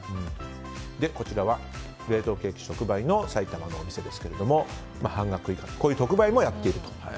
こちらは冷凍ケーキ直売のさいたまのお店ですけれども半額以下とこういう特売もやっていると。